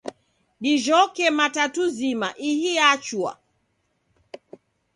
Dijhoke matatu zima, ihi yachua